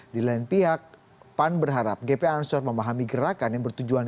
di lain pihak pan berharap gp ansor memahami gerakan yang bertujuan